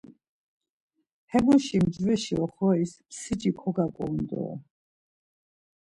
Hemuşi mcveşi oxoris msici kogaǩorun dore.